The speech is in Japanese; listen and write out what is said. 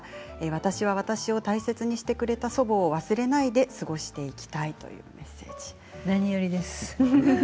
私は私を大切にしてくれた祖母を忘れないで過ごしていきたいという何よりです。